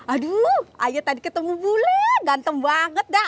aduh ayo tadi ketemu bule ganteng banget dah